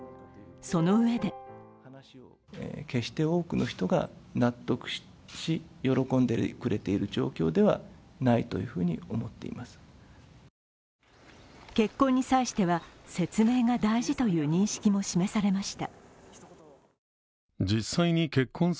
そのうえで結婚に際しては、説明が大事という認識も示されました。